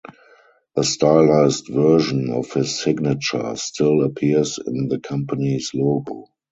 A stylized version of his signature still appears in the company's logo.